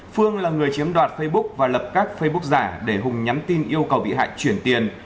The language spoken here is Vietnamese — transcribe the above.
phương là người chiếm đoạt facebook và lập các facebook giả để hùng nhắn tin yêu cầu bị hại chuyển tiền